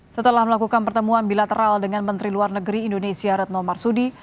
setelah melakukan pertemuan bilateral dengan menteri luar negeri indonesia retno marsudi